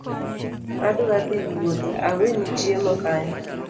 Adwa dhii wuoth aweni chiemo kanyo